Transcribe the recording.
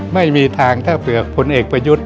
ไม่มีทางถ้าเผื่อผลเอกประยุทธ์